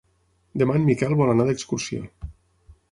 Demà en Miquel vol anar d'excursió.